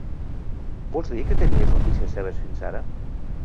Vols dir que tenies noticies seves fins ara?